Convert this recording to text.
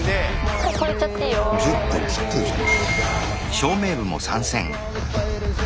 １０分切ってるじゃん。